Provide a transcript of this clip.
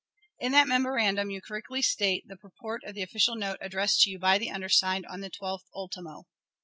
In that memorandum you correctly state the purport of the official note addressed to you by the undersigned on the 12th ultimo.